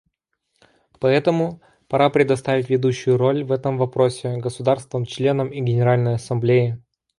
Поэтому пора предоставить ведущую роль в этом вопросе государствам-членам и Генеральной Ассамблее.